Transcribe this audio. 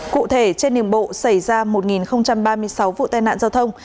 cụ thể trên đường bộ xảy ra một ba mươi sáu vụ tai nạn giao thông